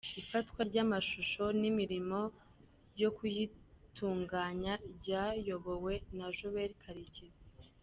Ifatwa ry’amashusho n’imirimo yo kuyitunganya ryayobowe na Joel Karekezi.